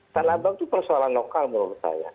tanah abang itu persoalan lokal menurut saya